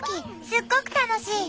すっごく楽しい！